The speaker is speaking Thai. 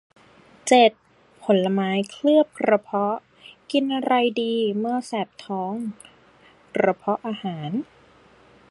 เจ็ด ผลไม้เคลือบกระเพาะ กินอะไรดีเมื่อแสบท้องกระเพาะอาหาร